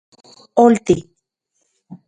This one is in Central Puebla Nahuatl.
Olti.